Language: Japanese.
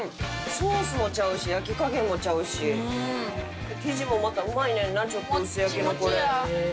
ソースもちゃうし、焼き加減もちゃうし、生地もまたうまいねんな、ちょっと薄焼きのこれ。